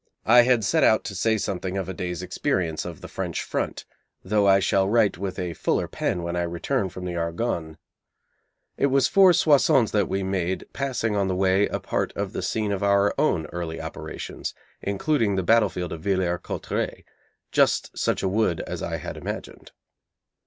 I had set out to say something of a day's experience of the French front, though I shall write with a fuller pen when I return from the Argonne. It was for Soissons that we made, passing on the way a part of the scene of our own early operations, including the battlefield of Villers Cotteret just such a wood as I had imagined.